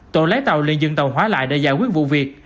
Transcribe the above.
tổ lấy tàu lên dừng tàu hóa lại để giải quyết vụ việc